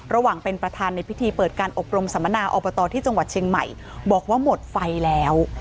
ระหว่างเป็นประธานในพิธีเปิดการอบรมสัมมนาอบตที่จังหวัดเชียงใหม่บอกว่าหมดไฟแล้ว